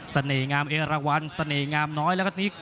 งามเอราวันเสน่หงามน้อยแล้วก็นิก